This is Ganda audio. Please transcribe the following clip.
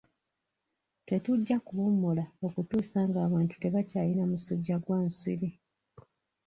Tetujja kuwummula okutuusa ng'abantu tebakyayina musujja gwa nsiri.